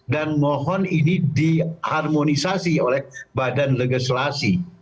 dan mohon ini diharmonisasi oleh badan legislasi